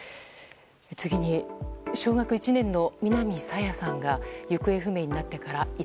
次に、小学１年の南朝芽さんが行方不明になってから５日。